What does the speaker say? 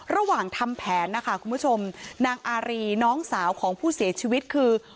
ระหว่างทำแผนนะคะคุณผู้ชมนางอารีน้องสาวของผู้เสียชีวิตคือ